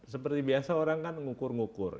seperti biasa orang kan ngukur ngukur